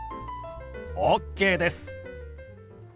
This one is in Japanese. ＯＫです！